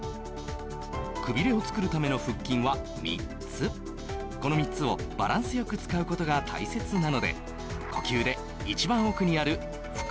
くびれを作るための腹筋は３つこの３つをバランスよく使うことが大切なので呼吸で一番奥にある腹